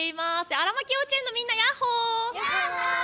あらまき幼稚園のみんな、ヤッホー！